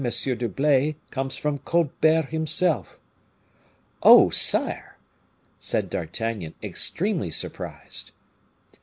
d'Herblay comes from Colbert himself." "Oh, sire!" said D'Artagnan, extremely surprised.